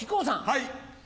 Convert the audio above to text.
はい。